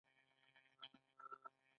هغه باید د ښه ژوند د ترلاسه کولو هڅه وکړي.